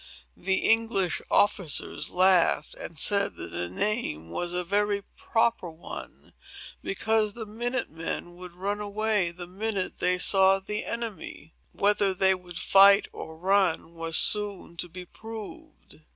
The English officers laughed, and said that the name was a very proper one, because the minute men would run away the the minute they saw the enemy. Whether they would fight or run, was soon to be proved."